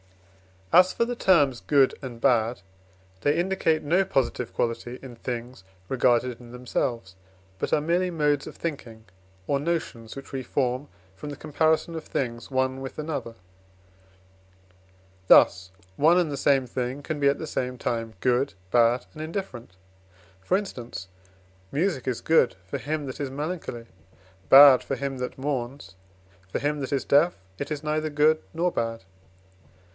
As for the terms good and bad, they indicate no positive quality in things regarded in themselves, but are merely modes of thinking, or notions which we form from the comparison of things one with another. Thus one and the same thing can be at the same time good, bad, and indifferent. For instance, music is good for him that is melancholy, bad for him that mourns; for him that is deaf, it is neither good nor bad.